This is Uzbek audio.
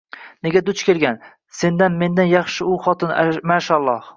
Nega duch kelgan? Sendan, mendan yaxshi u xotin, mashaAlloh.